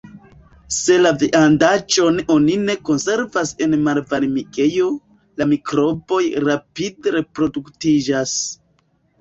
Se la viandaĵon oni ne konservas en malvarmigejo, la mikroboj rapide reproduktiĝas.